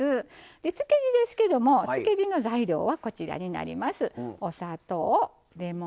で漬け地ですけども漬け地の材料はこちらになります。